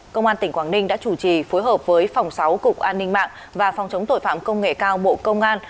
công an tỉnh quảng ninh đã chủ trì phối hợp với phòng sáu cục an ninh mạng và phòng chống tội phạm công nghệ cao bộ công an